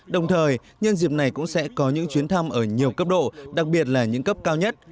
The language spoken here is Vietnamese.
đồng thời nhân dịp này cũng sẽ có những chuyến thăm ở nhiều cấp độ đặc biệt là những cấp cao nhất